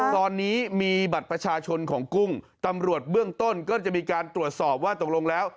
ตอนนี้มีบัตรประชาชนของกุ้งตำรวจเบื้องต้นก็จะมีการตรวจสอบว่าตกลงแล้ว